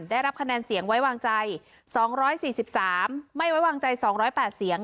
ได้รับคะแนนเสียงไว้วางใจสองร้อยสี่สิบสามไม่ไว้วางใจสองร้อยแปดเสียง